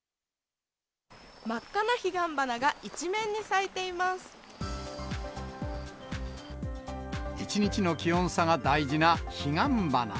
真っ赤な彼岸花が一面に咲い一日の気温差が大事な彼岸花。